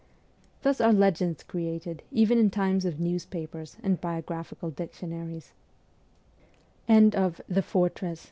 Thus are legends created even in times of newspapers and biographical dictionaries.